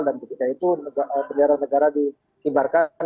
dan ketika itu bendera negara diibarkan